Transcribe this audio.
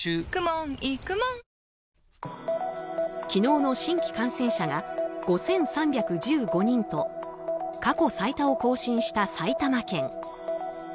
昨日の新規感染者が５３１５人と過去最多を更新した埼玉県。